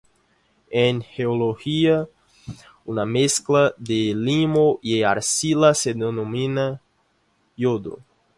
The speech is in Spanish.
En geología, una mezcla de limo y arcilla se denomina lodo.